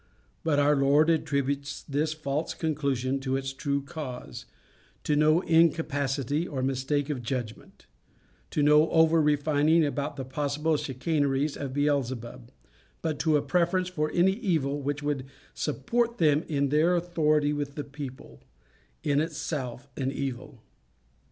But our Lord attributes this false conclusion to its true cause to no incapacity or mistake of judgement; to no over refining about the possible chicaneries of Beelzebub; but to a preference for any evil which would support them in their authority with the people in itself an evil.